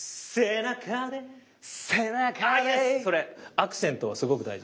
アクセントはすごく大事。